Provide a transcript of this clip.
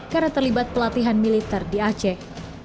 karena terlibat pelatihan militer di aceh